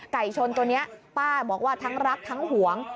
ชนตัวนี้ป้าบอกว่าทั้งรักทั้งหวง